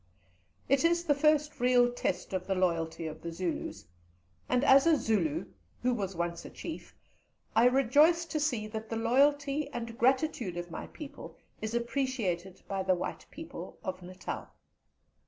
It is the first real test of the loyalty of the Zulus, and as a Zulu who was once a Chief, I rejoice to see that the loyalty and gratitude of my people is appreciated by the white people of Natal.